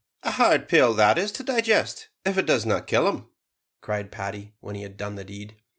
"A hard pill that to digest, if it does not kill him," cried Paddy, when he had done the deed.